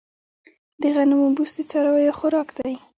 د غنمو بوس د څارویو خوراک دی.